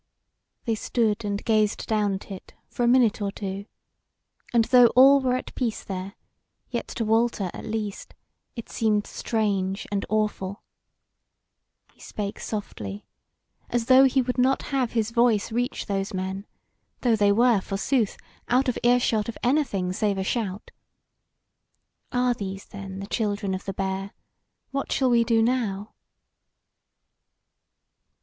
They stood and gazed down at it for a minute or two, and though all were at peace there, yet to Walter, at least, it seemed strange and awful. He spake softly, as though he would not have his voice reach those men, though they were, forsooth, out of earshot of anything save a shout: "Are these then the children of the Bear? What shall we do now?"